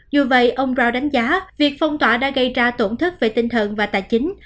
dù vậy ông ro đánh giá việc phong tỏa đã gây ra tổn thất về tinh thần và tài chính